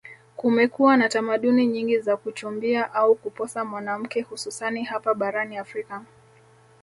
kumekuwa na tamaduni nyingi za kuchumbia au kuposa mwanamke hususani hapa barani afrika